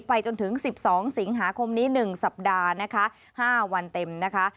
ไปจนถึง๑๒สิงหาคมนี้๑สัปดาห์นะคะ๕วันเต็มนะคะ